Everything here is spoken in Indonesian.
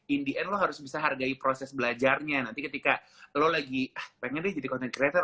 in the end lo harus bisa hargai proses belajarnya nanti ketika lo lagi pengen deh jadi content creator